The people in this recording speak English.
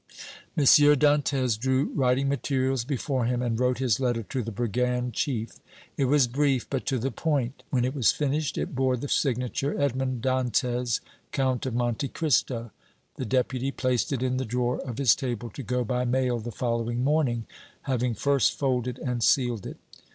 M. Dantès drew writing materials before him and wrote his letter to the brigand chief; it was brief, but to the point. When it was finished, it bore the signature, "Edmond Dantès, Count of Monte Cristo." The Deputy placed it in the drawer of his table to go by mail the following morning, having first folded and sealed it.